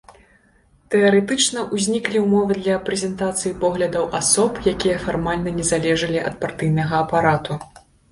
Тэарэтычна ўзніклі ўмовы для прэзентацыі поглядаў асоб, якія фармальна не залежалі ад партыйнага апарату.